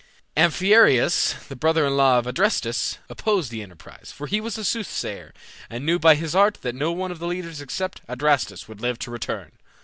Amphiaraus, the brother in law of Adrastus, opposed the enterprise, for he was a soothsayer, and knew by his art that no one of the leaders except Adrastus would live to return.